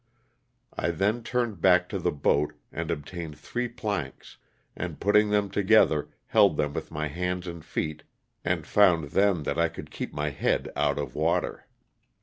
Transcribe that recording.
I then turned back to the boat and obtained three planks, and putting them together held them with my hands and feet and found then that I could keep my head out of water.